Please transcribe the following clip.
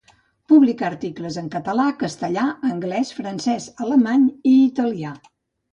Publicà articles en català, castellà, anglès, francès, alemany i italià.